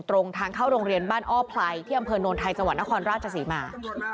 ตรงทางเข้าโรงเรียนบ้านอ้อไพรที่อำเภอโนนไทยจังหวัดนครราชศรีมา